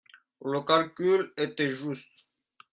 Le calcul était juste.